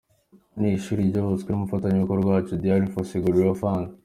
Ni ishuri ryubatswe n’umufatanyabikorwa wacu Dian fossey gorilla Fund.